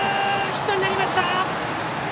ヒットになりました！